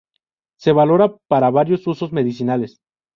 Se valora para varios usos medicinales.